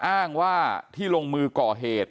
อ้างว่าที่ลงมือก่อเหตุ